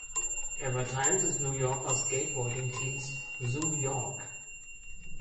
Er war Teil des New Yorker Skateboarding-Teams Zoo York.